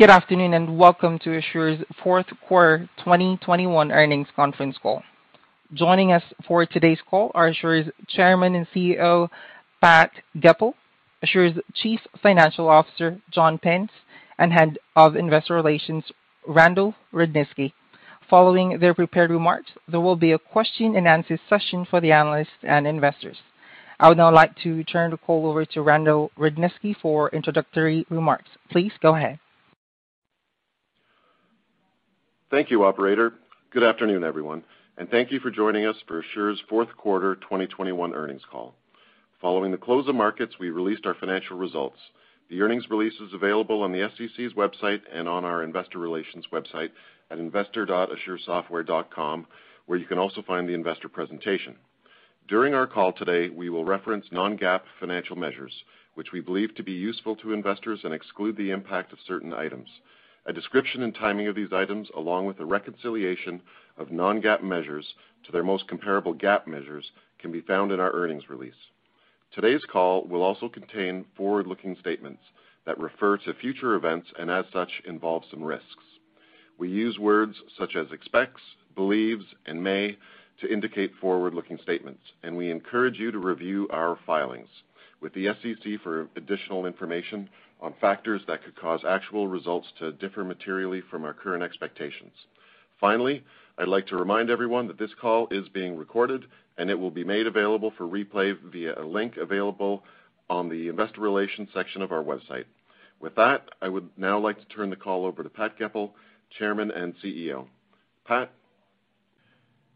Good afternoon, and welcome to Asure's fourth quarter 2021 earnings conference call. Joining us for today's call are Asure's Chairman and CEO, Pat Goepel, Asure's Chief Financial Officer, John Pence, and Head of Investor Relations, Randal Rudniski. Following their prepared remarks, there will be a question-and-answer session for the analysts and investors. I would now like to turn the call over to Randal Rudniski for introductory remarks. Please go ahead. Thank you, operator. Good afternoon, everyone, and thank you for joining us for Asure's fourth quarter 2021 earnings call. Following the close of markets, we released our financial results. The earnings release is available on the SEC's website and on our investor relations website at investor.asuresoftware.com, where you can also find the investor presentation. During our call today, we will reference non-GAAP financial measures, which we believe to be useful to investors and exclude the impact of certain items. A description and timing of these items, along with a reconciliation of non-GAAP measures to their most comparable GAAP measures, can be found in our earnings release. Today's call will also contain forward-looking statements that refer to future events and, as such, involve some risks. We use words such as expects, believes, and may to indicate forward-looking statements, and we encourage you to review our filings with the SEC for additional information on factors that could cause actual results to differ materially from our current expectations. Finally, I'd like to remind everyone that this call is being recorded, and it will be made available for replay via a link available on the investor relations section of our website. With that, I would now like to turn the call over to Pat Goepel, Chairman and CEO. Pat?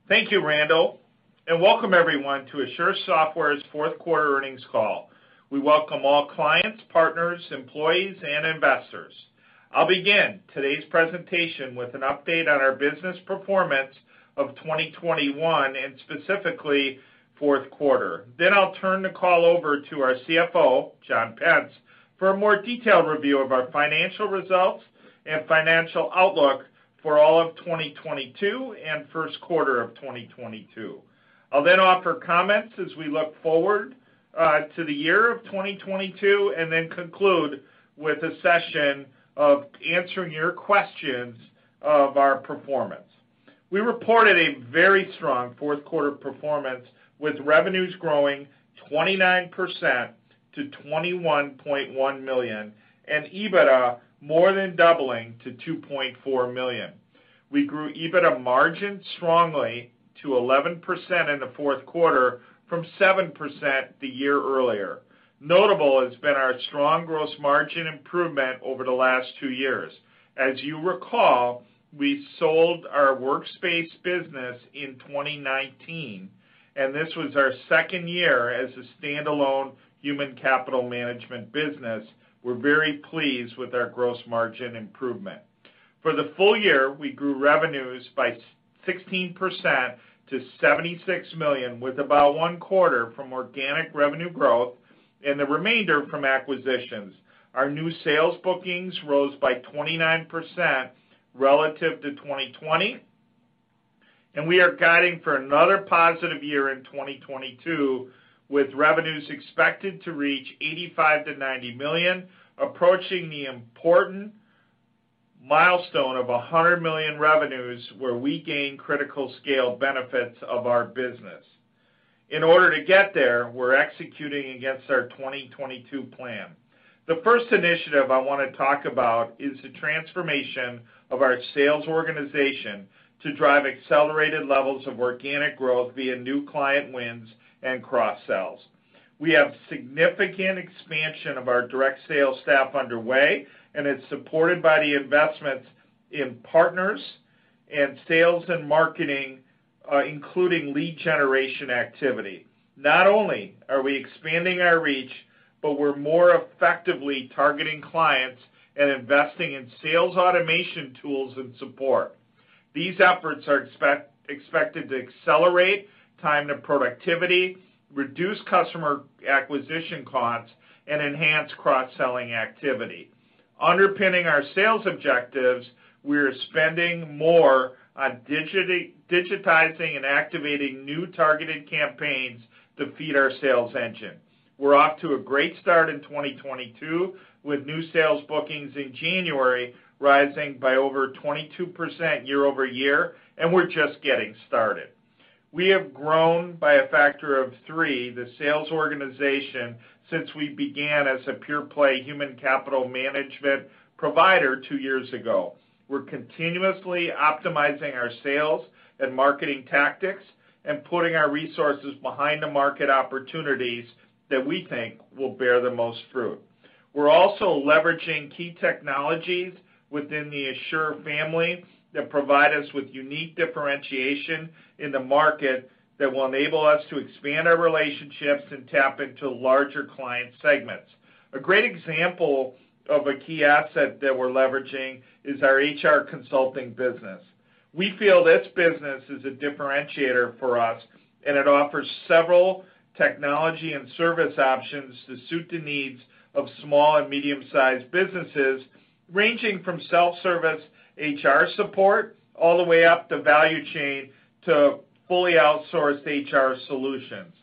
Thank you, Randal, and welcome everyone to Asure Software's fourth quarter earnings call. We welcome all clients, partners, employees, and investors. I'll begin today's presentation with an update on our business performance of 2021 and specifically fourth quarter. I'll turn the call over to our CFO, John Pence, for a more detailed review of our financial results and financial outlook for all of 2022 and first quarter of 2022. I'll offer comments as we look forward to the year of 2022 and conclude with a session of answering your questions of our performance. We reported a very strong fourth quarter performance, with revenues growing 29% to $21.1 million and EBITDA more than doubling to $2.4 million. We grew EBITDA margin strongly to 11% in the fourth quarter from 7% the year earlier. Notable has been our strong gross margin improvement over the last two years. As you recall, we sold our Workspace business in 2019, and this was our second year as a standalone human capital management business. We're very pleased with our gross margin improvement. For the full-year, we grew revenues by 16% to $76 million, with about one quarter from organic revenue growth and the remainder from acquisitions. Our new sales bookings rose by 29% relative to 2020, and we are guiding for another positive year in 2022, with revenues expected to reach $85-90 million, approaching the important milestone of $100 million revenues, where we gain critical scale benefits of our business. In order to get there, we're executing against our 2022 plan. The first initiative I wanna talk about is the transformation of our sales organization to drive accelerated levels of organic growth via new client wins and cross-sells. We have significant expansion of our direct sales staff underway, and it's supported by the investments in partners, in sales and marketing, including lead generation activity. Not only are we expanding our reach, but we're more effectively targeting clients and investing in sales automation tools and support. These efforts are expected to accelerate time to productivity, reduce customer acquisition costs, and enhance cross-selling activity. Underpinning our sales objectives, we are spending more on digitizing and activating new targeted campaigns to feed our sales engine. We're off to a great start in 2022, with new sales bookings in January rising by over 22% year-over-year, and we're just getting started. We have grown by a factor of three the sales organization since we began as a pure play human capital management provider two years ago. We're continuously optimizing our sales and marketing tactics and putting our resources behind the market opportunities that we think will bear the most fruit. We're also leveraging key technologies within the Asure family that provide us with unique differentiation in the market that will enable us to expand our relationships and tap into larger client segments. A great example of a key asset that we're leveraging is our HR consulting business. We feel this business is a differentiator for us, and it offers several technology and service options to suit the needs of small and medium-sized businesses, ranging from self-service HR support all the way up the value chain to fully outsourced HR solutions.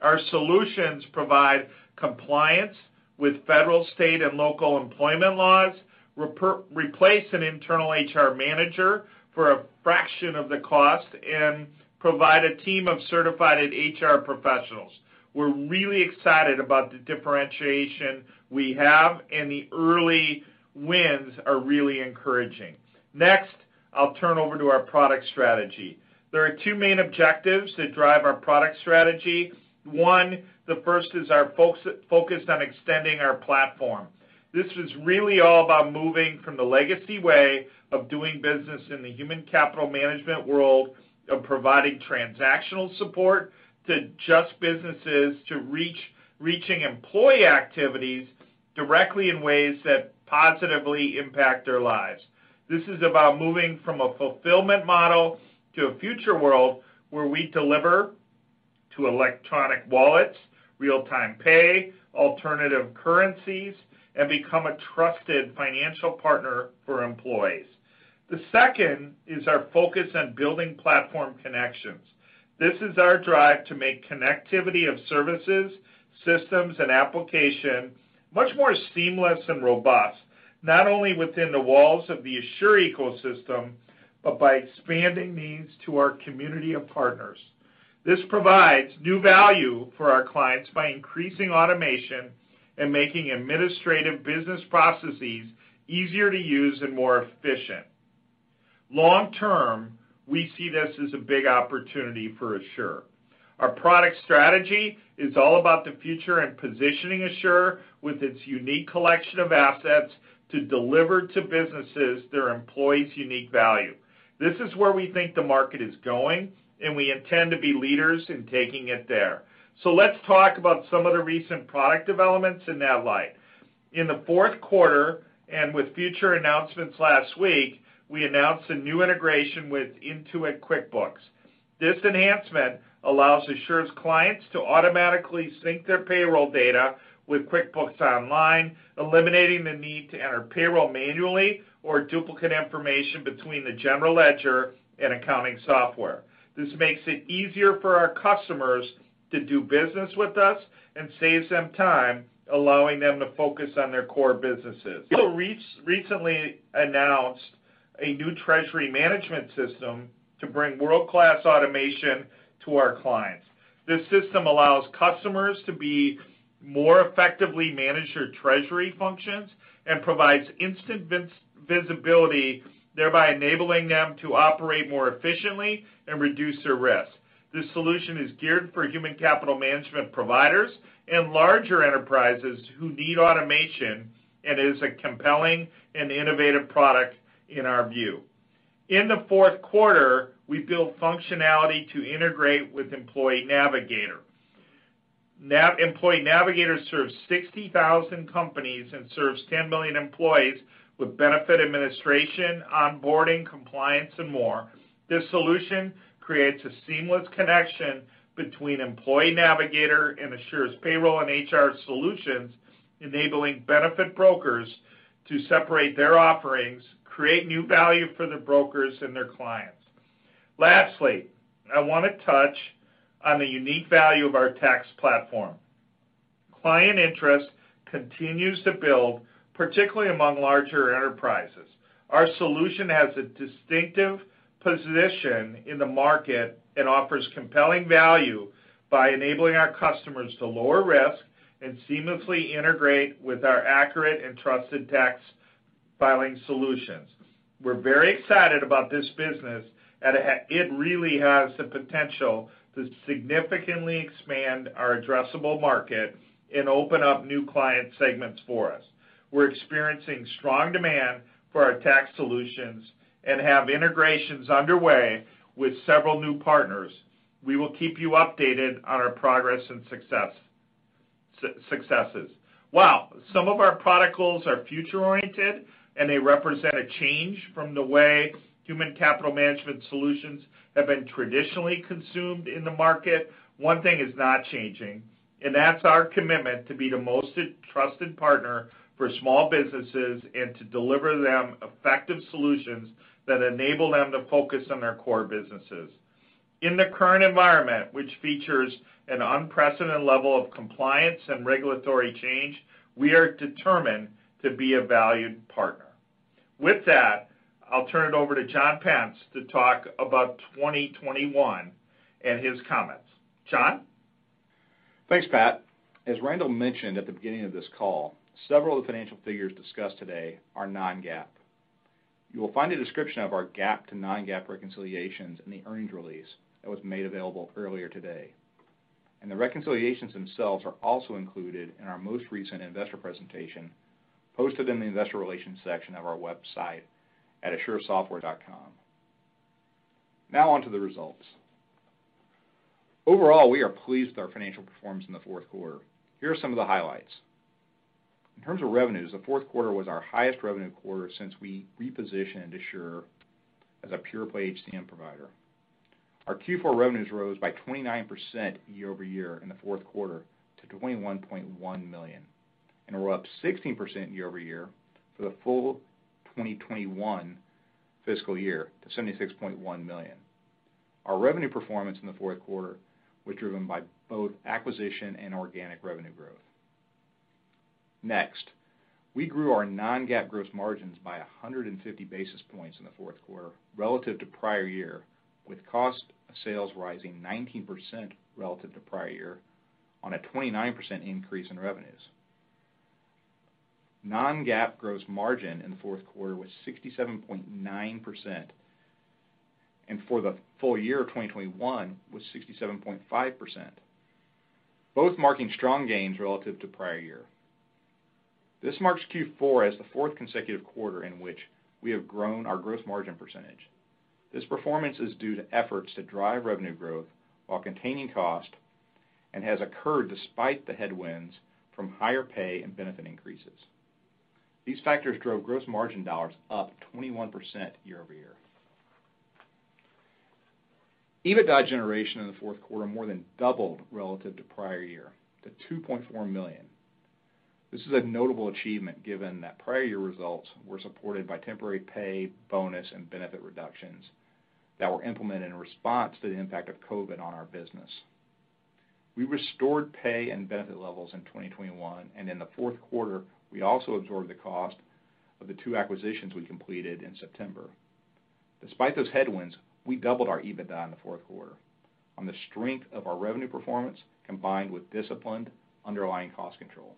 Our solutions provide compliance with federal, state, and local employment laws, replace an internal HR manager for a fraction of the cost, and provide a team of certified HR professionals. We're really excited about the differentiation we have, and the early wins are really encouraging. Next, I'll turn over to our product strategy. There are two main objectives that drive our product strategy. One, the first is our focus on extending our platform. This is really all about moving from the legacy way of doing business in the human capital management world of providing transactional support to just businesses to reaching employee activities directly in ways that positively impact their lives. This is about moving from a fulfillment model to a future world where we deliver to electronic wallets, real-time pay, alternative currencies, and become a trusted financial partner for employees. The second is our focus on building platform connections. This is our drive to make connectivity of services, systems, and application much more seamless and robust, not only within the walls of the Asure ecosystem, but by expanding these to our community of partners. This provides new value for our clients by increasing automation and making administrative business processes easier to use and more efficient. Long term, we see this as a big opportunity for Asure. Our product strategy is all about the future and positioning Asure with its unique collection of assets to deliver to businesses their employees' unique value. This is where we think the market is going, and we intend to be leaders in taking it there. Let's talk about some of the recent product developments in that light. In the fourth quarter, and with future announcements last week, we announced a new integration with Intuit QuickBooks. This enhancement allows Asure's clients to automatically sync their payroll data with QuickBooks Online, eliminating the need to enter payroll manually or duplicate information between the general ledger and accounting software. This makes it easier for our customers to do business with us and saves them time, allowing them to focus on their core businesses. We recently announced a new treasury management system to bring world-class automation to our clients. This system allows customers to more effectively manage their treasury functions and provides instant visibility, thereby enabling them to operate more efficiently and reduce their risk. This solution is geared for human capital management providers and larger enterprises who need automation, and is a compelling and innovative product in our view. In the fourth quarter, we built functionality to integrate with Employee Navigator. Employee Navigator serves 60,000 companies and 10 million employees with benefit administration, onboarding, compliance, and more. This solution creates a seamless connection between Employee Navigator and Asure's payroll and HR solutions, enabling benefit brokers to separate their offerings, create new value for the brokers and their clients. Lastly, I wanna touch on the unique value of our tax platform. Client interest continues to build, particularly among larger enterprises. Our solution has a distinctive position in the market and offers compelling value by enabling our customers to lower risk and seamlessly integrate with our accurate and trusted tax filing solutions. We're very excited about this business, and it really has the potential to significantly expand our addressable market and open up new client segments for us. We're experiencing strong demand for our tax solutions and have integrations underway with several new partners. We will keep you updated on our progress and successes. While some of our product goals are future-oriented and they represent a change from the way human capital management solutions have been traditionally consumed in the market, one thing is not changing, and that's our commitment to be the most trusted partner for small businesses and to deliver them effective solutions that enable them to focus on their core businesses. In the current environment, which features an unprecedented level of compliance and regulatory change, we are determined to be a valued partner. With that, I'll turn it over to John Pence to talk about 2021 and his comments. John? Thanks, Pat. As Randal mentioned at the beginning of this call, several of the financial figures discussed today are non-GAAP. You will find a description of our GAAP to non-GAAP reconciliations in the earnings release that was made available earlier today. The reconciliations themselves are also included in our most recent investor presentation posted in the investor relations section of our website at asuresoftware.com. Now on to the results. Overall, we are pleased with our financial performance in the fourth quarter. Here are some of the highlights. In terms of revenues, the fourth quarter was our highest revenue quarter since we repositioned Asure as a pure-play HCM provider. Our Q4 revenues rose by 29% year-over-year in the fourth quarter to $21.1 million, and we're up 16% year-over-year for the full 2021 fiscal year to $76.1 million. Our revenue performance in the fourth quarter was driven by both acquisition and organic revenue growth. Next, we grew our non-GAAP gross margins by 150 basis points in the fourth quarter relative to prior year, with cost of sales rising 19% relative to prior year on a 29% increase in revenues. Non-GAAP gross margin in the fourth quarter was 67.9%, and for the full-year of 2021 was 67.5%, both marking strong gains relative to prior year. This marks Q4 as the fourth consecutive quarter in which we have grown our gross margin percentage. This performance is due to efforts to drive revenue growth while containing cost and has occurred despite the headwinds from higher pay and benefit increases. These factors drove gross margin dollars up 21% year-over-year. EBITDA generation in the fourth quarter more than doubled relative to prior year to $2.4 million. This is a notable achievement given that prior year results were supported by temporary pay, bonus, and benefit reductions that were implemented in response to the impact of COVID on our business. We restored pay and benefit levels in 2021, and in the fourth quarter, we also absorbed the cost of the two acquisitions we completed in September. Despite those headwinds, we doubled our EBITDA in the fourth quarter on the strength of our revenue performance, combined with disciplined underlying cost control.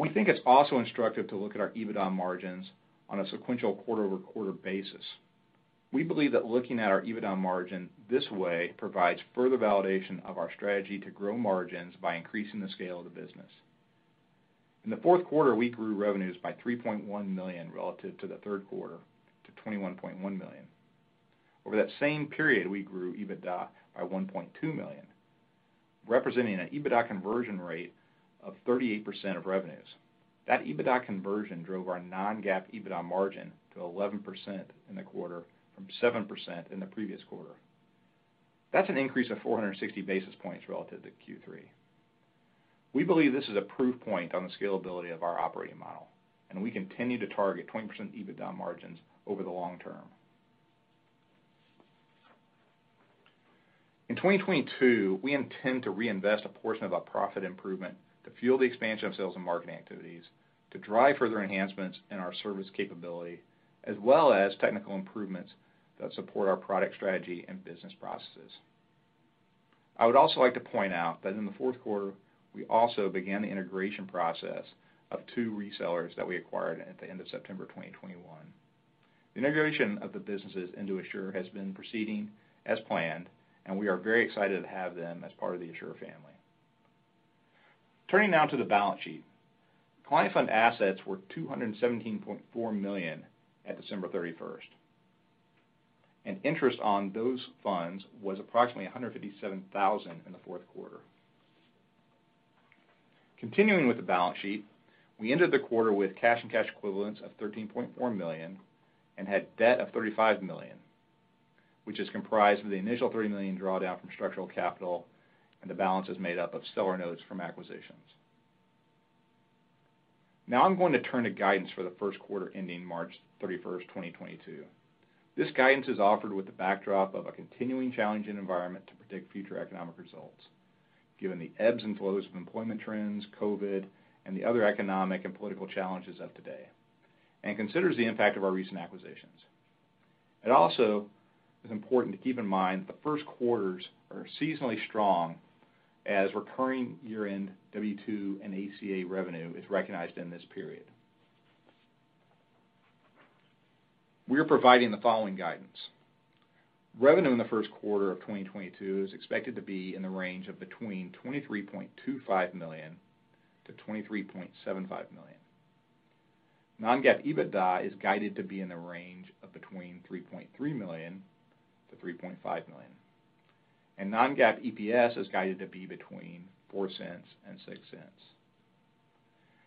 We think it's also instructive to look at our EBITDA margins on a sequential quarter-over-quarter basis. We believe that looking at our EBITDA margin this way provides further validation of our strategy to grow margins by increasing the scale of the business. In the fourth quarter, we grew revenues by $3.1 million relative to the third quarter to $21.1 million. Over that same period, we grew EBITDA by $1.2 million, representing an EBITDA conversion rate of 38% of revenues. That EBITDA conversion drove our non-GAAP EBITDA margin to 11% in the quarter from 7% in the previous quarter. That's an increase of 460 basis points relative to Q3. We believe this is a proof point on the scalability of our operating model, and we continue to target 20% EBITDA margins over the long term. In 2022, we intend to reinvest a portion of our profit improvement to fuel the expansion of sales and marketing activities, to drive further enhancements in our service capability, as well as technical improvements that support our product strategy and business processes. I would also like to point out that in the fourth quarter, we also began the integration process of two resellers that we acquired at the end of September 2021. The integration of the businesses into Asure has been proceeding as planned, and we are very excited to have them as part of the Asure family. Turning now to the balance sheet. Client fund assets were $217.4 million at December 31. Interest on those funds was approximately $157,000 in the fourth quarter. Continuing with the balance sheet, we ended the quarter with cash and cash equivalents of $13.4 million and had debt of $35 million, which is comprised of the initial $30 million drawdown from Structural Capital, and the balance is made up of seller notes from acquisitions. Now I'm going to turn to guidance for the first quarter ending March 31, 2022. This guidance is offered with the backdrop of a continuing challenging environment to predict future economic results, given the ebbs and flows of employment trends, COVID, and the other economic and political challenges of today, and considers the impact of our recent acquisitions. It also is important to keep in mind that the first quarters are seasonally strong as recurring year-end W-2 and ACA revenue is recognized in this period. We are providing the following guidance. Revenue in the first quarter of 2022 is expected to be in the range of between $23.25-23.75 million. Non-GAAP EBITDA is guided to be in the range of between $3.3-3.5 million. Non-GAAP EPS is guided to be between $0.04 and $0.06.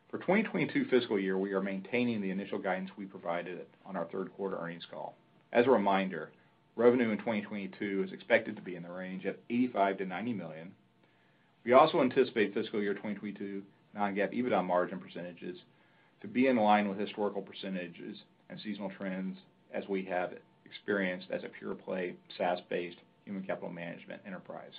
For 2022 fiscal year, we are maintaining the initial guidance we provided on our third quarter earnings call. As a reminder, revenue in 2022 is expected to be in the range of $85-90 million. We also anticipate fiscal year 2022 non-GAAP EBITDA margin percentages to be in line with historical percentages and seasonal trends as we have experienced as a pure play, SaaS-based human capital management enterprise.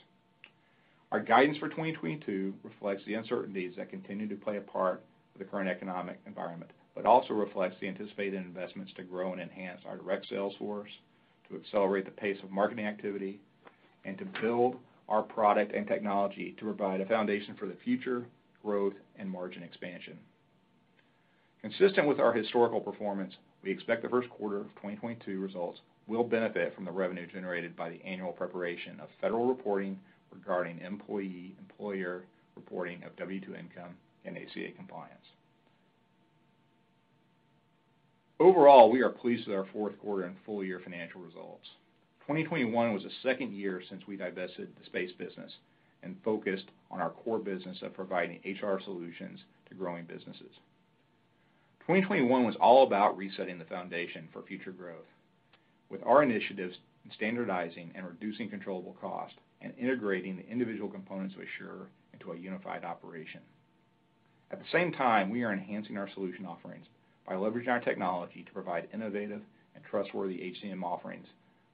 Our guidance for 2022 reflects the uncertainties that continue to play a part with the current economic environment, but also reflects the anticipated investments to grow and enhance our direct sales force, to accelerate the pace of marketing activity, and to build our product and technology to provide a foundation for the future growth and margin expansion. Consistent with our historical performance, we expect the first quarter of 2022 results will benefit from the revenue generated by the annual preparation of federal reporting regarding employee-employer reporting of W-2 income and ACA compliance. Overall, we are pleased with our fourth quarter and full-year financial results. 2021 was the second year since we divested the workspace business and focused on our core business of providing HR solutions to growing businesses. 2021 was all about resetting the foundation for future growth. With our initiatives in standardizing and reducing controllable cost and integrating the individual components of Asure into a unified operation. At the same time, we are enhancing our solution offerings by leveraging our technology to provide innovative and trustworthy HCM offerings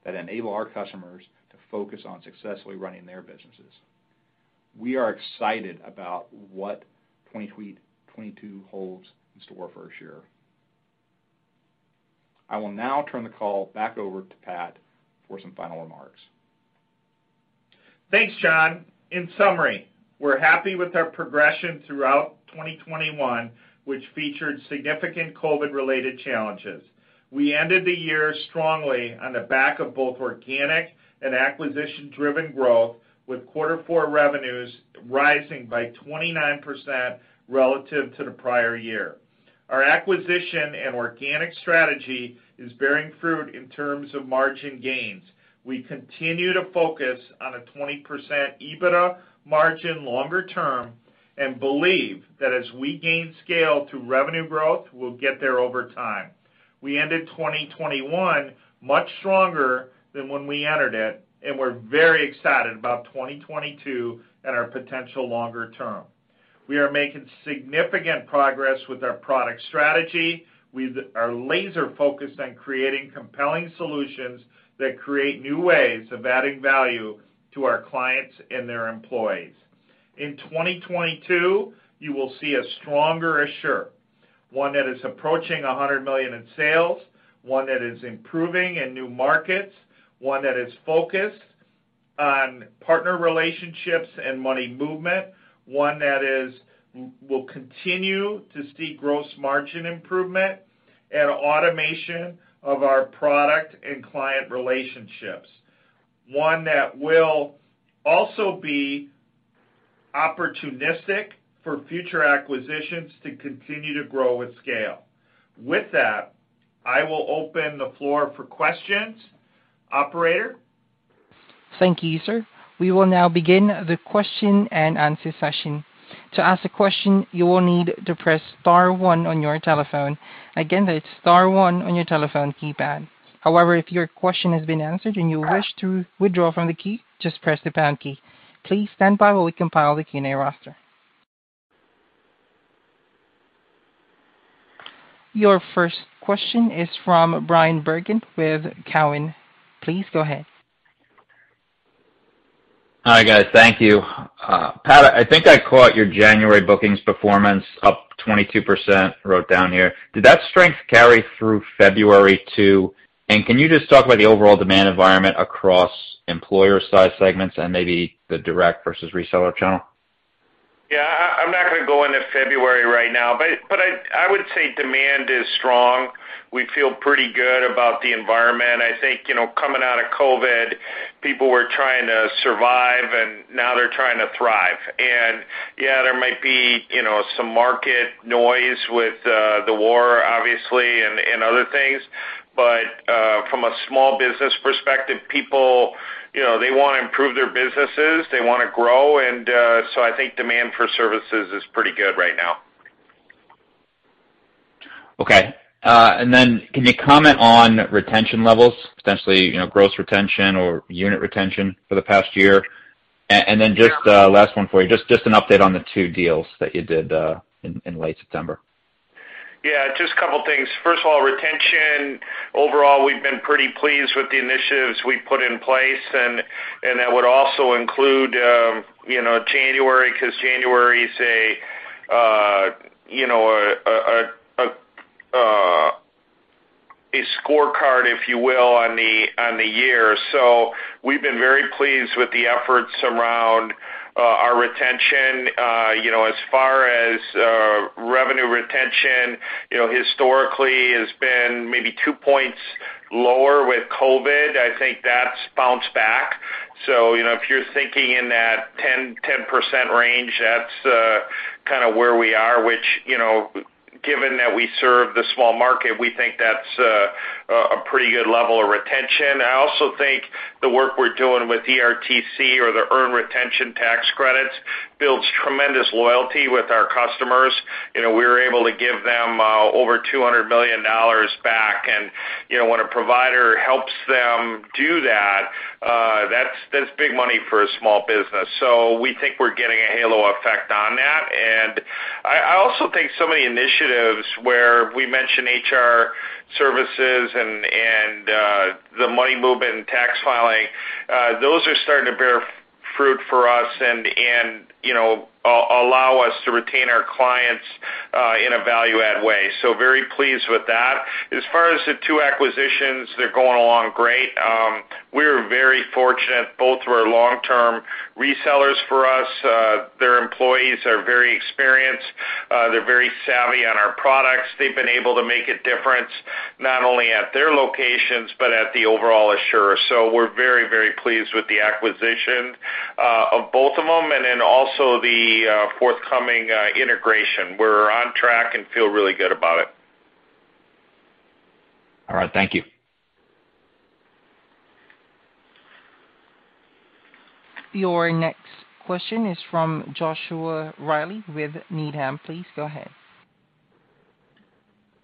that enable our customers to focus on successfully running their businesses. We are excited about what 2022 holds in store for Asure. I will now turn the call back over to Pat for some final remarks. Thanks, John. In summary, we're happy with our progression throughout 2021, which featured significant COVID-related challenges. We ended the year strongly on the back of both organic and acquisition-driven growth, with quarter four revenues rising by 29% relative to the prior year. Our acquisition and organic strategy is bearing fruit in terms of margin gains. We continue to focus on a 20% EBITDA margin longer term and believe that as we gain scale to revenue growth, we'll get there over time. We ended 2021 much stronger than when we entered it, and we're very excited about 2022 and our potential longer term. We are making significant progress with our product strategy. We are laser-focused on creating compelling solutions that create new ways of adding value to our clients and their employees. In 2022, you will see a stronger Asure, one that is approaching $100 million in sales, one that is improving in new markets, one that is focused on partner relationships and money movement, one that will continue to see gross margin improvement and automation of our product and client relationships. One that will also be opportunistic for future acquisitions to continue to grow with scale. With that, I will open the floor for questions. Operator? Thank you, sir. We will now begin the question-and-answer session. To ask a question, you will need to press star one on your telephone. Again, that's star one on your telephone keypad. However, if your question has been answered and you wish to withdraw from the queue, just press the pound key. Please stand by while we compile the Q&A roster. Your first question is from Bryan Bergin with Cowen. Please go ahead. Hi, guys. Thank you. Pat, I think I caught your January bookings performance up 22%, wrote down here. Did that strength carry through February too? Can you just talk about the overall demand environment across employer size segments and maybe the direct versus reseller channel? Yeah. I'm not gonna go into February right now, but I would say demand is strong. We feel pretty good about the environment. I think, you know, coming out of COVID, people were trying to survive, and now they're trying to thrive. Yeah, there might be, you know, some market noise with the war obviously and other things. From a small business perspective, people, you know, they wanna improve their businesses, they wanna grow, and so I think demand for services is pretty good right now. Okay. Can you comment on retention levels, potentially, you know, gross retention or unit retention for the past year? Just last one for you, just an update on the two deals that you did in late September. Yeah, just a couple things. First of all, retention. Overall, we've been pretty pleased with the initiatives we've put in place, and that would also include, you know, January, 'cause January is a scorecard, if you will, on the year. So we've been very pleased with the efforts around our retention. You know, as far as revenue retention, you know, historically has been maybe two points lower with COVID. I think that's bounced back. So, you know, if you're thinking in that 10% range, that's kinda where we are, which, you know, given that we serve the small market, we think that's a pretty good level of retention. I also think the work we're doing with ERTC or the Employee Retention Tax Credit builds tremendous loyalty with our customers. You know, we're able to give them over $200 million back. You know, when a provider helps them do that's big money for a small business. We think we're getting a halo effect on that. I also think some of the initiatives where we mention HR services and the money movement and tax filing, those are starting to bear fruit for us and you know allow us to retain our clients in a value add way. Very pleased with that. As far as the two acquisitions, they're going along great. We're very fortunate both were long-term resellers for us. Their employees are very experienced. They're very savvy on our products. They've been able to make a difference not only at their locations but at the overall Asure. We're very, very pleased with the acquisition of both of them and also the forthcoming integration. We're on track and feel really good about it. All right. Thank you. Your next question is from Joshua Reilly with Needham. Please go ahead.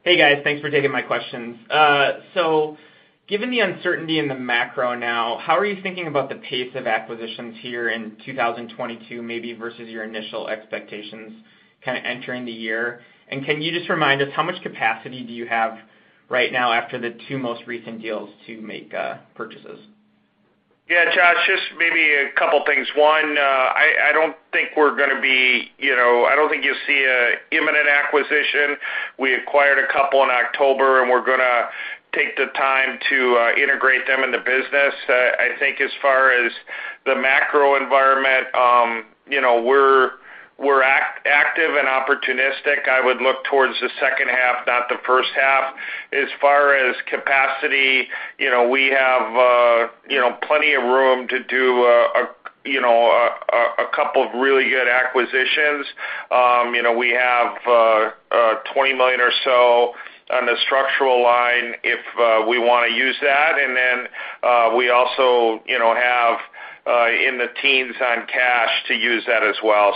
Hey, guys. Thanks for taking my questions. Given the uncertainty in the macro now, how are you thinking about the pace of acquisitions here in 2022 maybe versus your initial expectations kind of entering the year? Can you just remind us how much capacity do you have right now after the two most recent deals to make purchases? Yeah, Josh, just maybe a couple things. One, I don't think we're gonna be, you know, I don't think you'll see an imminent acquisition. We acquired a couple in October, and we're gonna take the time to integrate them in the business. I think as far as the macro environment, you know, we're active and opportunistic. I would look towards the second half, not the first half. As far as capacity, you know, we have, you know, plenty of room to do, you know, a couple of really good acquisitions. You know, we have $20 million or so on the Structural line if we wanna use that. And then, we also, you know, have in the teens on cash to use that as well.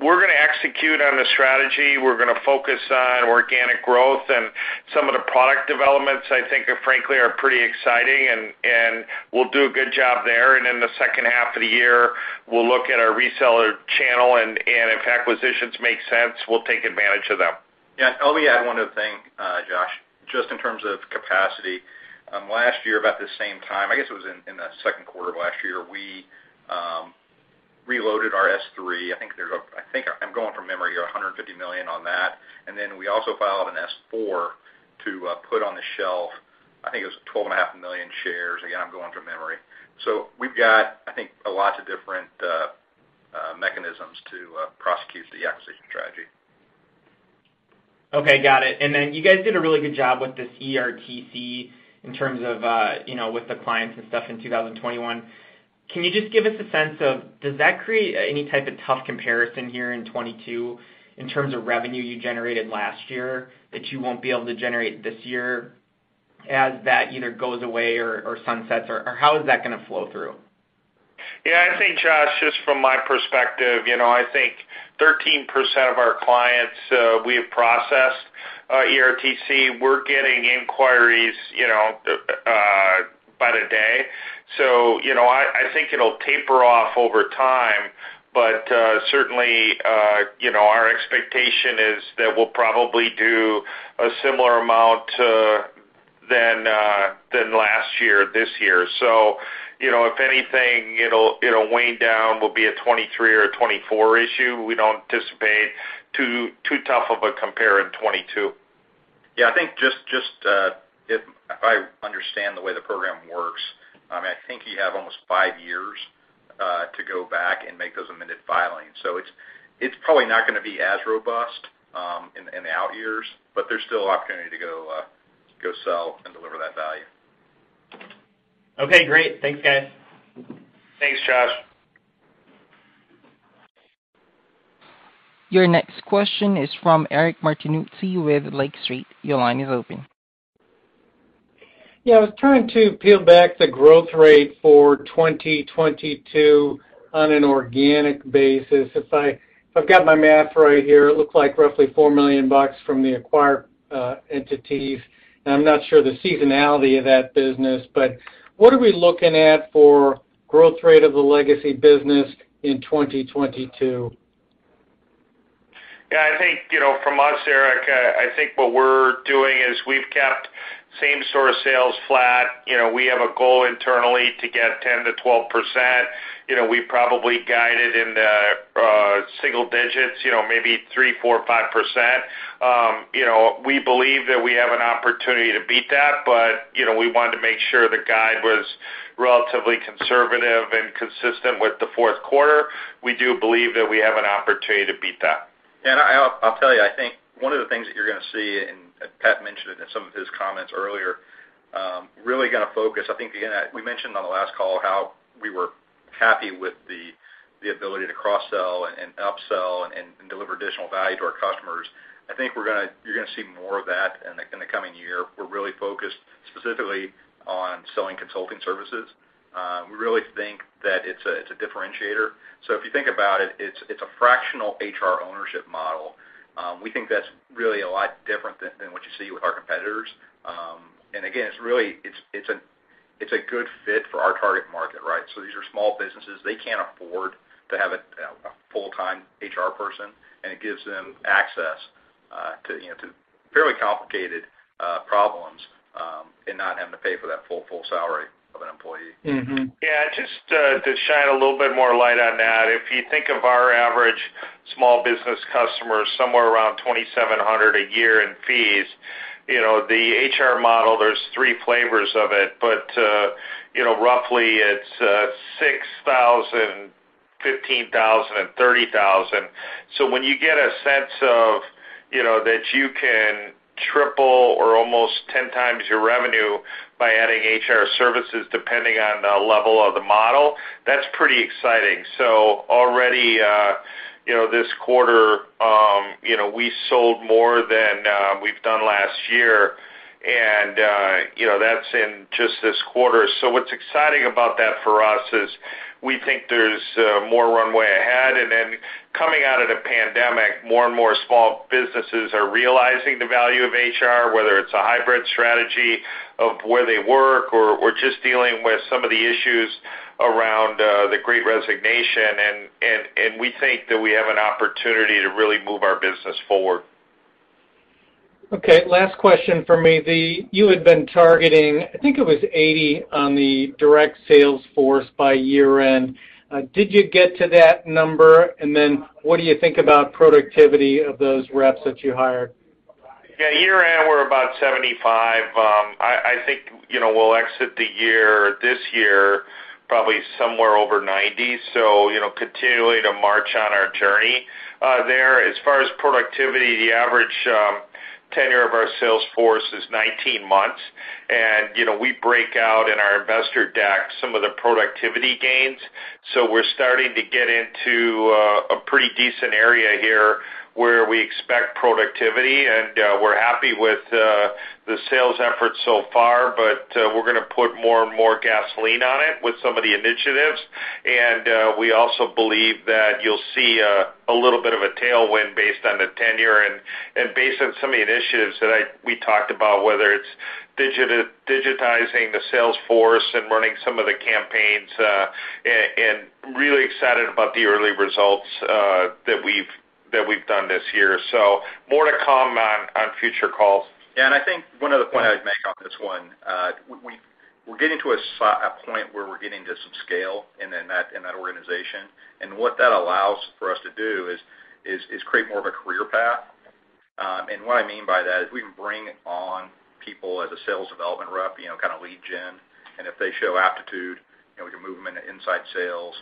We're gonna execute on the strategy. We're gonna focus on organic growth and some of the product developments I think are, frankly, pretty exciting and we'll do a good job there. In the second half of the year, we'll look at our reseller channel, and if acquisitions make sense, we'll take advantage of them. Yeah. I'll only add one other thing, Josh, just in terms of capacity. Last year about this same time, I guess it was in the second quarter of last year, we reloaded our S-3. I think I'm going from memory. $150 million on that. And then we also filed an S-4 to put on the shelf, I think it was 12.5 million shares. Again, I'm going from memory. We've got, I think, lots of different mechanisms to prosecute the acquisition strategy. Okay, got it. You guys did a really good job with this ERTC in terms of, you know, with the clients and stuff in 2021. Can you just give us a sense of does that create any type of tough comparison here in 2022 in terms of revenue you generated last year that you won't be able to generate this year as that either goes away or sunsets or how is that gonna flow through? Yeah, I think, Josh, just from my perspective, you know, I think 13% of our clients we have processed ERTC. We're getting inquiries, you know, by the day. You know, I think it'll taper off over time. Certainly, you know, our expectation is that we'll probably do a similar amount than than last year this year. You know, if anything, it'll wane down. We'll be a 2023 or a 2024 issue. We don't anticipate too tough of a compare in 2022. Yeah, I think just if I understand the way the program works, I mean, I think you have almost five years to go back and make those amended filings. It's probably not gonna be as robust in the out years, but there's still opportunity to go sell and deliver that value. Okay, great. Thanks, guys. Thanks, Josh. Your next question is from Eric Martinuzzi with Lake Street. Your line is open. Yeah, I was trying to peel back the growth rate for 2022 on an organic basis. If I've got my math right here, it looks like roughly $4 million from the acquired entities, and I'm not sure the seasonality of that business. What are we looking at for growth rate of the legacy business in 2022? Yeah, I think, you know, from us, Eric, I think what we're doing is we've kept same store sales flat. You know, we have a goal internally to get 10%-12%. You know, we probably guided in the single digits, you know, maybe 3%, 4%, 5%. You know, we believe that we have an opportunity to beat that, but, you know, we wanted to make sure the guide was relatively conservative and consistent with the fourth quarter. We do believe that we have an opportunity to beat that. I'll tell you, I think one of the things that you're gonna see, and Pat mentioned it in some of his comments earlier. We're really gonna focus. I think, again, we mentioned on the last call how we were happy with the ability to cross-sell and up-sell and deliver additional value to our customers. I think you're gonna see more of that in the coming year. We're really focused specifically on selling consulting services. We really think that it's a differentiator. So if you think about it's a fractional HR ownership model. We think that's really a lot different than what you see with our competitors. Again, it's really a good fit for our target market, right? So these are small businesses. They can't afford to have a full-time HR person, and it gives them access to, you know, fairly complicated problems, and not having to pay for that full salary of an employee. Yeah, just to shine a little bit more light on that, if you think of our average small business customer is somewhere around $2,700 a year in fees. You know, the HR model, there's three flavors of it, but, you know, roughly it's $6,000, $15,000 and $30,000. When you get a sense of, you know, that you can triple or almost 10 times your revenue by adding HR services, depending on the level of the model, that's pretty exciting. Already, you know, this quarter, you know, we sold more than we've done last year, and, you know, that's in just this quarter. What's exciting about that for us is we think there's more runway ahead. Coming out of the pandemic, more and more small businesses are realizing the value of HR, whether it's a hybrid strategy of where they work, or we're just dealing with some of the issues around the Great Resignation. We think that we have an opportunity to really move our business forward. Okay, last question for me. You had been targeting, I think it was 80 on the direct sales force by year-end. Did you get to that number? And then what do you think about productivity of those reps that you hired? Yeah, year-end we're about 75. I think, you know, we'll exit the year, this year probably somewhere over 90. You know, continuing to march on our journey there. As far as productivity, the average tenure of our sales force is 19 months. You know, we break out in our investor deck some of the productivity gains. We're starting to get into a pretty decent area here where we expect productivity, and we're happy with the sales efforts so far, but we're gonna put more and more gasoline on it with some of the initiatives. We also believe that you'll see a little bit of a tailwind based on the tenure and based on some of the initiatives that we talked about, whether it's digitizing the sales force and running some of the campaigns. really excited about the early results that we've done this year. More to come on future calls. Yeah, I think one other point I would make on this one. We're getting to a point where we're getting to some scale in that organization. What that allows for us to do is create more of a career path. What I mean by that is we can bring on people as a sales development rep, you know, kind of lead gen. If they show aptitude, you know, we can move them into inside sales.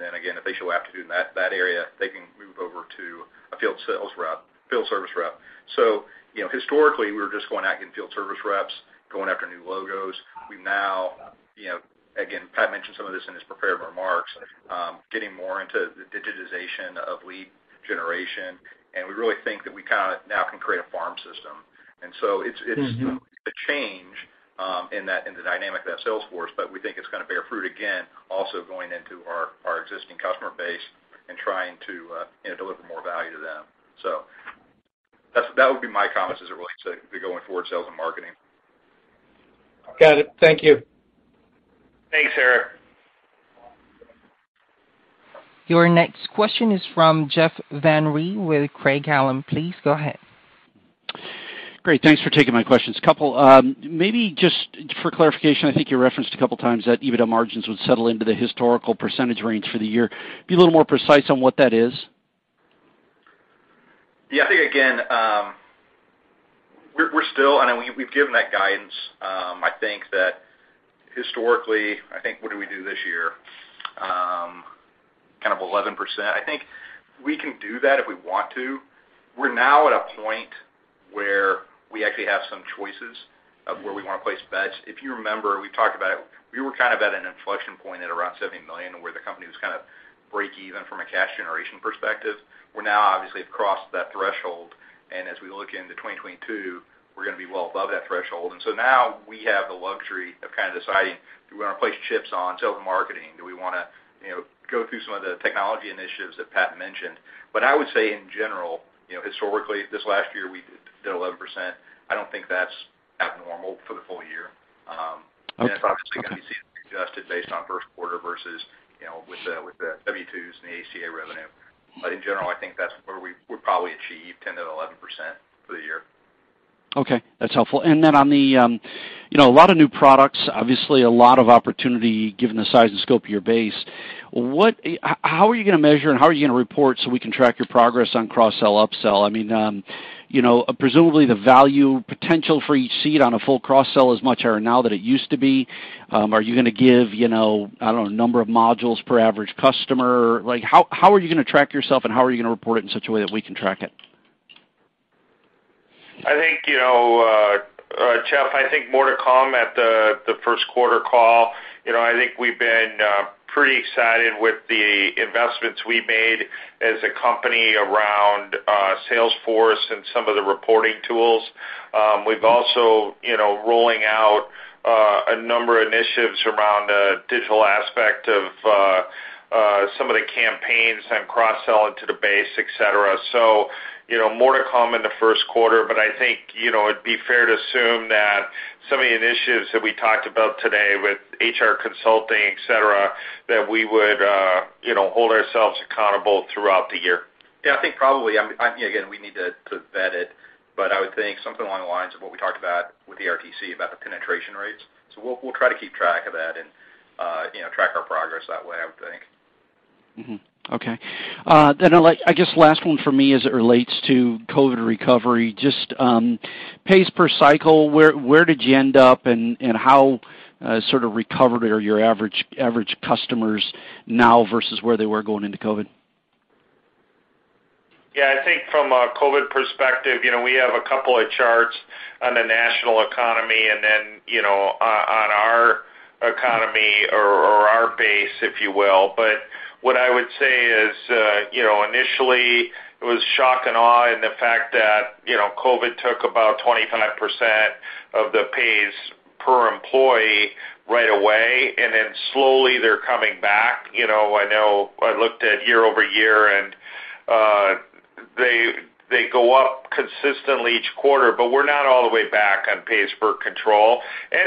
Then again, if they show aptitude in that area, they can move over to a field sales rep, field service rep. You know, historically, we were just going out getting field service reps, going after new logos. We now, you know, again, Pat mentioned some of this in his prepared remarks, getting more into the digitization of lead generation, and we really think that we kinda now can create a farm system. It's Mm-hmm A change in that in the dynamic of that sales force, but we think it's gonna bear fruit, again, also going into our existing customer base and trying to you know deliver more value to them. That would be my comments as it relates to the going forward sales and marketing. Got it. Thank you. Thanks, Eric. Your next question is from Jeff Van Rhee with Craig-Hallum. Please go ahead. Great. Thanks for taking my questions. Couple, maybe just for clarification, I think you referenced a couple times that EBITDA margins would settle into the historical percentage range for the year. Be a little more precise on what that is? Yeah, I think again, we're still, and I know we've given that guidance. I think that historically, I think what did we do this year? Kind of 11%. I think we can do that if we want to. We're now at a point where we actually have some choices of where we wanna place bets. If you remember, we talked about it, we were kind of at an inflection point at around $70 million, where the company was kind of breakeven from a cash generation perspective. We've now obviously crossed that threshold, and as we look into 2022, we're gonna be well above that threshold. Now we have the luxury of kind of deciding do we wanna place chips on sales and marketing? Do we wanna, you know, go through some of the technology initiatives that Pat mentioned? I would say in general, you know, historically, this last year we did 11%. I don't think that's abnormal for the full-year. Okay. Obviously it's gonna be adjusted based on first quarter versus, you know, with the W-2s and the ACA revenue. In general, I think that's where we'll probably achieve 10%-11% for the year. Okay, that's helpful. On the, you know, a lot of new products, obviously a lot of opportunity given the size and scope of your base, how are you gonna measure and how are you gonna report so we can track your progress on cross-sell, up-sell? I mean, you know, presumably the value potential for each seat on a full cross-sell is much higher now than it used to be. Are you gonna give, you know, I don't know, number of modules per average customer? Like, how are you gonna track yourself and how are you gonna report it in such a way that we can track it? I think, you know, Jeff, I think more to come at the first quarter call. You know, I think we've been pretty excited with the investments we made as a company around Salesforce and some of the reporting tools. We've also, you know, rolling out a number of initiatives around the digital aspect of some of the campaigns and cross-sell into the base, et cetera. You know, more to come in the first quarter, but I think, you know, it'd be fair to assume that some of the initiatives that we talked about today with HR consulting, et cetera, that we would, you know, hold ourselves accountable throughout the year. Yeah, I think probably. Again, we need to vet it, but I would think something along the lines of what we talked about with the ERTC about the penetration rates. We'll try to keep track of that and, you know, track our progress that way, I would think. Okay. I'd like, I guess, last one for me as it relates to COVID recovery, just pace per cycle, where did you end up and how sort of recovered are your average customers now versus where they were going into COVID? Yeah, I think from a COVID perspective, you know, we have a couple of charts on the national economy and then, you know, on our economy or if you will. What I would say is, you know, initially it was shock and awe, and the fact that, you know, COVID took about 25% of the pays per employee right away, and then slowly they're coming back. You know, I know I looked at year-over-year, and they go up consistently each quarter, but we're not all the way back on pays per control.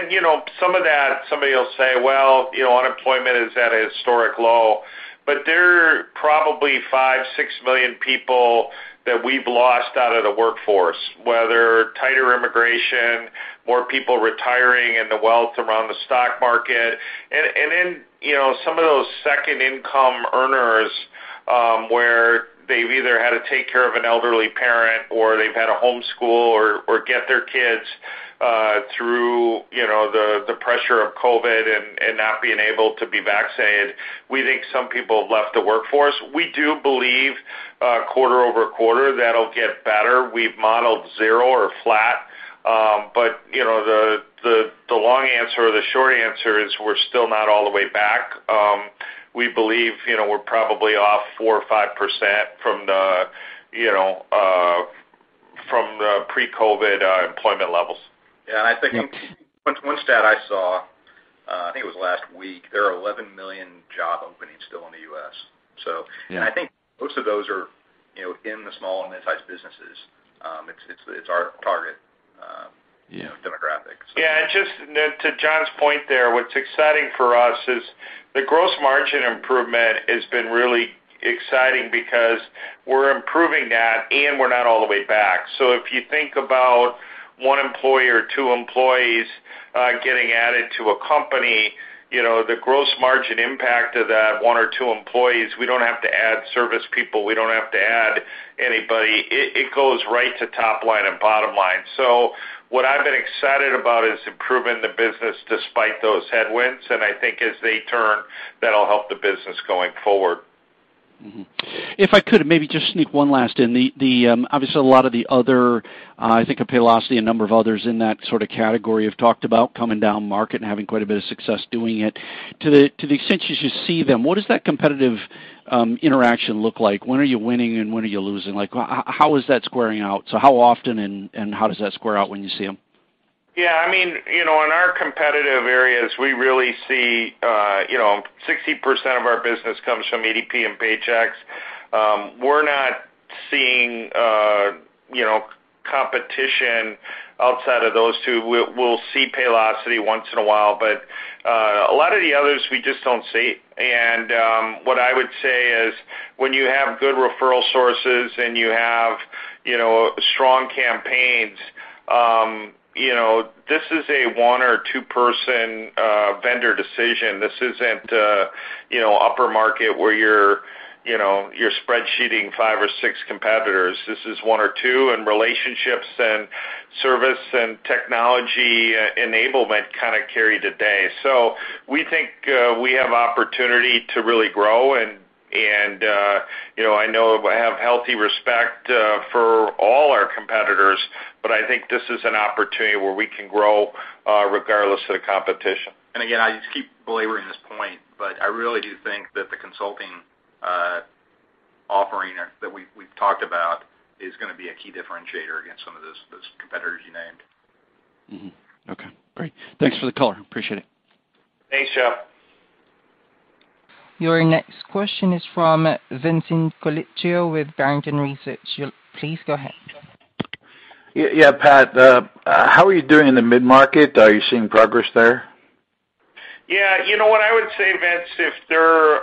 You know, some of that, somebody will say, "Well, you know, unemployment is at a historic low," but there are probably 5-6 million people that we've lost out of the workforce, whether tighter immigration, more people retiring, and the wealth around the stock market. Then, you know, some of those second income earners, where they've either had to take care of an elderly parent or they've had to homeschool or get their kids through the pressure of COVID and not being able to be vaccinated. We think some people have left the workforce. We do believe quarter-over-quarter that'll get better. We've modeled zero or flat, but the long answer or the short answer is we're still not all the way back. We believe, you know, we're probably off 4% or 5% from the pre-COVID employment levels. I think one stat I saw, I think it was last week, there are 11 million job openings still in the U.S. Yeah. I think most of those are, you know, in the small and midsize businesses. It's our target. Yeah demographics. Yeah. Just to John's point there, what's exciting for us is the gross margin improvement has been really exciting because we're improving that, and we're not all the way back. If you think about one employee or two employees getting added to a company, you know, the gross margin impact of that one or two employees, we don't have to add service people, we don't have to add anybody. It goes right to top line and bottom line. What I've been excited about is improving the business despite those headwinds, and I think as they turn, that'll help the business going forward. If I could maybe just sneak one last in. Obviously a lot of the other, I think of Paylocity and a number of others in that sort of category have talked about coming down market and having quite a bit of success doing it. To the extent you should see them, what does that competitive interaction look like? When are you winning and when are you losing? Like, how is that squaring out? How often and how does that square out when you see them? Yeah, I mean, you know, in our competitive areas, we really see, you know, 60% of our business comes from ADP and Paychex. We're not seeing, you know, competition outside of those two. We'll see Paylocity once in a while, but a lot of the others we just don't see. What I would say is, when you have good referral sources and you have, you know, strong campaigns, you know, this is a one or two person vendor decision. This isn't a, you know, upper market where you're, you know, you're spreadsheeting five or six competitors. This is one or two, and relationships and service and technology enablement kind of carry the day. We think we have opportunity to really grow and, you know, I know I have healthy respect for all our competitors, but I think this is an opportunity where we can grow regardless of the competition. Again, I just keep belaboring this point, but I really do think that the consulting offering that we've talked about is gonna be a key differentiator against some of those competitors you named. Mm-hmm. Okay. Great. Thanks for the color. Appreciate it. Thanks, Jeff. Your next question is from Vincent Colicchio with Barrington Research. Please go ahead. Yeah. Yeah, Pat, how are you doing in the mid-market? Are you seeing progress there? Yeah. You know what I would say, Vince, if there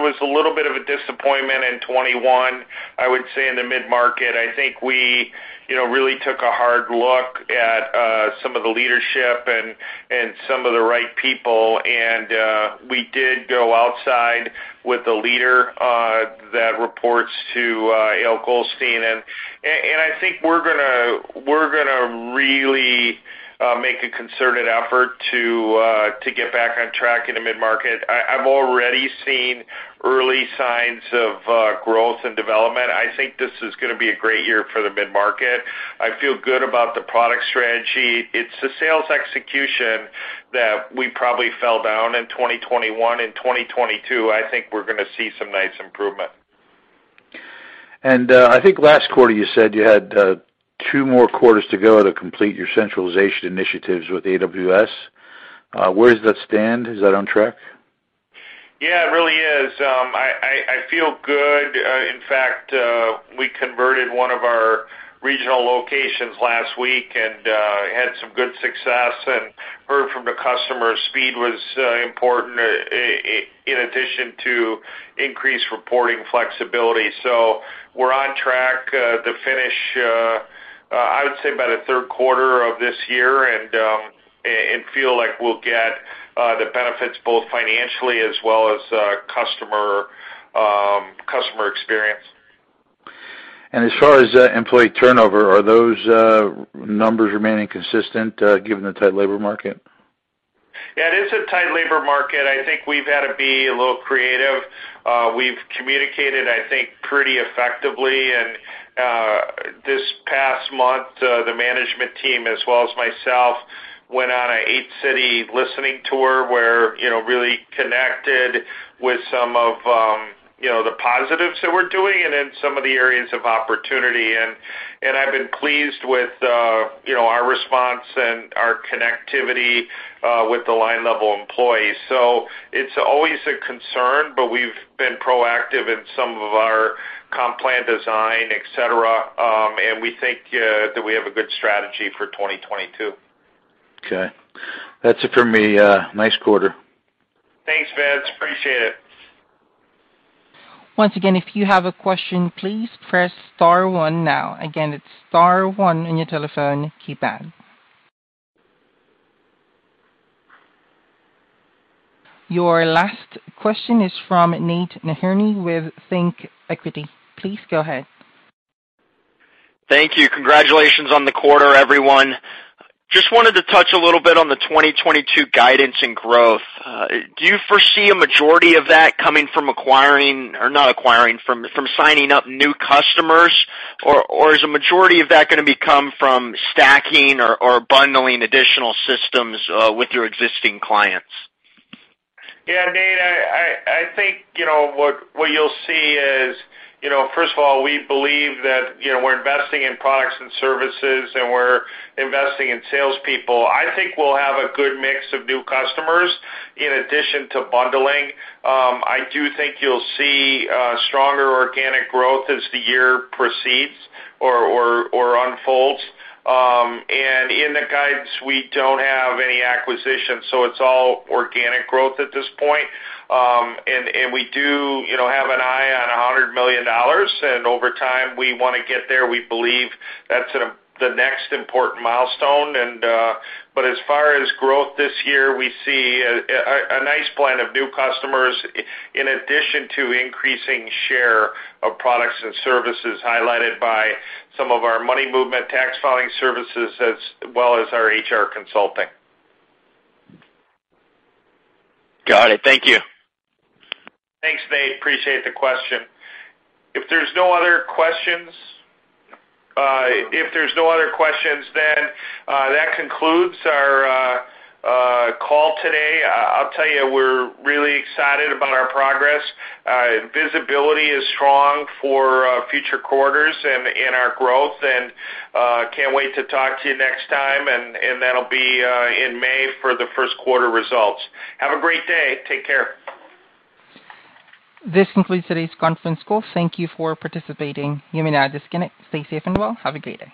was a little bit of a disappointment in 2021, I would say in the mid-market. I think we, you know, really took a hard look at some of the leadership and some of the right people, and we did go outside with a leader that reports to Eyal Goldstein. I think we're gonna really make a concerted effort to get back on track in the mid-market. I've already seen early signs of growth and development. I think this is gonna be a great year for the mid-market. I feel good about the product strategy. It's the sales execution that we probably fell down in 2021. In 2022, I think we're gonna see some nice improvement. I think last quarter you said you had two more quarters to go to complete your centralization initiatives with AWS. Where does that stand? Is that on track? Yeah, it really is. I feel good. In fact, we converted one of our regional locations last week and had some good success and heard from the customers speed was important in addition to increased reporting flexibility. We're on track to finish, I would say by the third quarter of this year and feel like we'll get the benefits both financially as well as customer experience. As far as employee turnover, are those numbers remaining consistent, given the tight labor market? Yeah, it is a tight labor market. I think we've had to be a little creative. We've communicated, I think, pretty effectively. Last month, the management team as well as myself went on an 8-city listening tour where, you know, really connected with some of, you know, the positives that we're doing and then some of the areas of opportunity. I've been pleased with, you know, our response and our connectivity with the line level employees. It's always a concern, but we've been proactive in some of our comp plan design, et cetera, and we think that we have a good strategy for 2022. Okay. That's it for me. Nice quarter. Thanks, Vince. Appreciate it. Once again, if you have a question, please press star one now. Again, it's star one on your telephone keypad. Your last question is from Nate Nahirny with ThinkEquity. Please go ahead. Thank you. Congratulations on the quarter, everyone. Just wanted to touch a little bit on the 2022 guidance and growth. Do you foresee a majority of that coming from acquiring or not acquiring, from signing up new customers? Or is a majority of that gonna come from stacking or bundling additional systems with your existing clients? Yeah, Nate, I think, you know, what you'll see is, you know, first of all, we believe that, you know, we're investing in products and services, and we're investing in salespeople. I think we'll have a good mix of new customers in addition to bundling. I do think you'll see stronger organic growth as the year proceeds or unfolds. In the guidance, we don't have any acquisitions, so it's all organic growth at this point. We do, you know, have an eye on $100 million, and over time, we wanna get there. We believe that's the next important milestone. As far as growth this year, we see a nice blend of new customers in addition to increasing share of products and services highlighted by some of our money movement, tax filing services, as well as our HR consulting. Got it. Thank you. Thanks, Nate. Appreciate the question. If there's no other questions, then that concludes our call today. I'll tell you, we're really excited about our progress. Visibility is strong for future quarters and our growth, and can't wait to talk to you next time, and that'll be in May for the first quarter results. Have a great day. Take care. This concludes today's conference call. Thank you for participating. You may now disconnect. Stay safe and well. Have a great day.